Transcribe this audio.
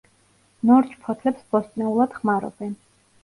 ნორჩ ფოთლებს ბოსტნეულად ხმარობენ.